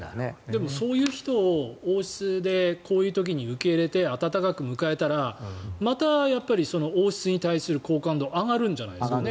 でもそういう人を王室でこういう時に受け入れて温かく迎えたらまた王室に対する好感度が上がるんじゃないですかね。